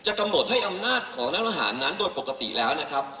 กำหนดให้อำนาจของรัฐหารนั้นโดยปกติแล้วนะครับ